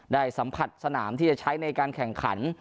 ได้สัมผัสสนามที่จะใช้ในการแข่งขัน